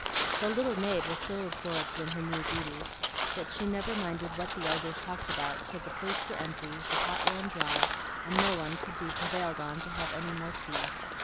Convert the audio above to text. The little maid was so absorbed in her new duties that she never minded what the elders talked about, till the plates were empty, the pot ran dry, and no one could be prevailed on to have any more tea.